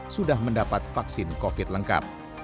sudah mendapat vaksin covid lengkap